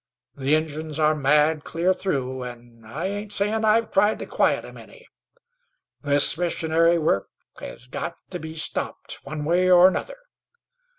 The injuns are mad clear through, an' I ain't sayin' I've tried to quiet 'em any. This missionary work has got to be stopped, one way or another.